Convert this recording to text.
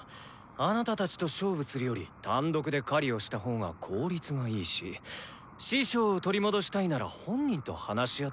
あなたたちと勝負するより単独で狩りをした方が効率がいいし師匠を取り戻したいなら本人と話し合って下さい。